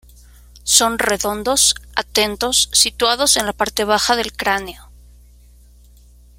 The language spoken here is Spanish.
Son redondos, atentos, situados en la parte baja del cráneo.